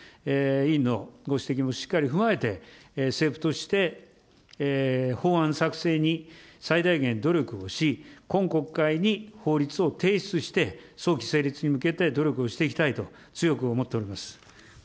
委員のご指摘もしっかり踏まえて、政府として法案作成に最大限努力をし、今国会に法律を提出して、早期成立に向けて努力をしていきたいと強く思っております。